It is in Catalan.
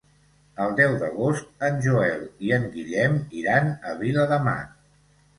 El deu d'agost en Joel i en Guillem iran a Viladamat.